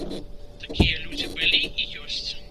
Такія людзі былі і ёсць.